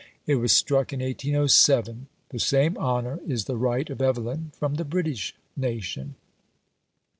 It was struck in 1807. The same honour is the right of Evelyn from the British nation.